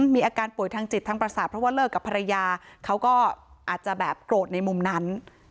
มีอาการป่วยทางจิตทางประสาทเพราะว่าเลิกกับภรรยาเขาก็อาจจะแบบโกรธในมุมนั้น